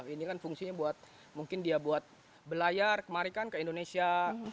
ini kan fungsinya buat mungkin dia buat belayar kemari kan ke indonesia